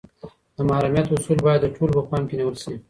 د محرمیت اصول باید د ټولو په پام کي نیول سي.